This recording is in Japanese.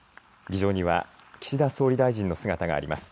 議場に、その岸田総理大臣の姿が見られます。